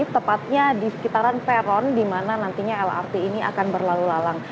tepatnya di sekitaran peron di mana nantinya lrt ini akan berlalu lalang